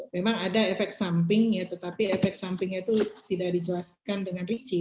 memang ada efek samping ya tetapi efek sampingnya itu tidak dijelaskan dengan richie